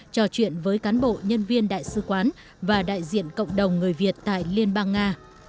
trò chuyện với cán bộ nhân viên đại sứ quán và đại diện cộng đồng người việt tại liên bang nga